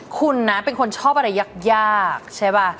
คุณนะเป็นคนชอบอะไรยากใช่ป่ะ